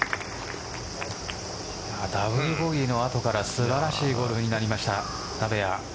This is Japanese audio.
ダブルボギーの後から素晴らしいゴルフになりました鍋谷。